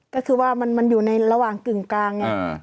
ก็คือว่ามันอยู่ในระหว่างกึ่งกลาง